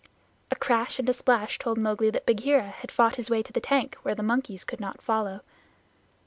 A crash and a splash told Mowgli that Bagheera had fought his way to the tank where the monkeys could not follow.